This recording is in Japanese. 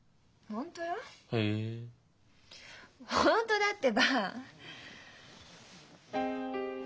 本当だってば。